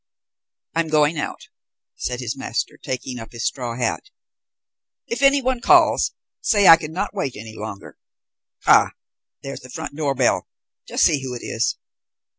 "I am going out," said his master, taking up his straw hat. "If anyone calls, say I could not wait any longer. Ah, there's the front door bell. Just see who it is."